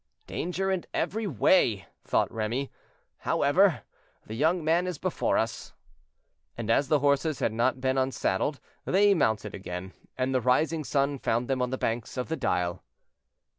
"Danger every way," thought Remy; "however, the young man is before us." And as the horses had not been unsaddled, they mounted again, and the rising sun found them on the banks of the Dyle.